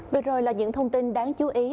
vừa rồi là những thông tin đáng chú ý